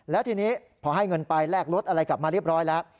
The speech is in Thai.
แล้วทีนี้พอให้เงินไปแลกรถอะไรกลับมาเรียบร้อยแล้ว